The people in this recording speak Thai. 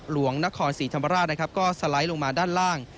หลวงนครศรีธรรมราชนะครับก็สไลด์ลงมาด้านล่าง